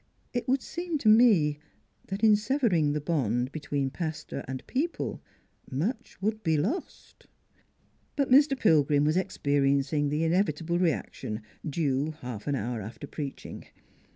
" It would seem to me that in severing the bond between pastor and people much would be lost." But Mr. Pilgrim was experiencing the inevita ble reaction, due half an hour after preaching.